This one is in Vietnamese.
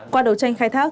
qua đấu tranh khai thác